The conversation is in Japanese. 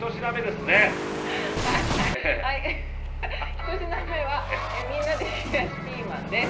１品目はみんなで冷やしピーマンです。